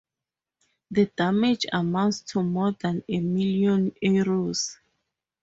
The damage amounts to more than a million euros.